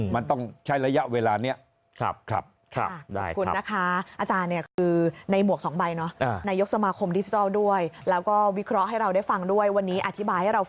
มันต้องใช้ระยะเวลานี้